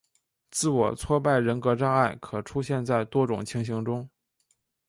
自我挫败人格障碍可出现在多种情形中。